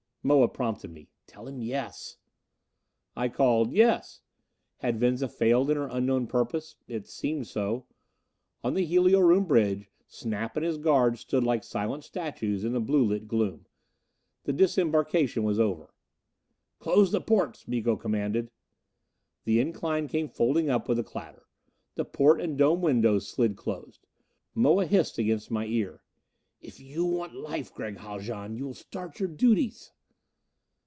Moa prompted me. "Tell him yes!" I called, "Yes!" Had Venza failed in her unknown purpose? It seemed so. On the helio room bridge Snap and his guard stood like silent statues in the blue lit gloom. The disembarkation was over. "Close the ports," Miko commanded. The incline came folding up with a clatter. The port and dome windows slid closed. Moa hissed against my ear: "If you want life, Gregg Haljan, you will start your duties!"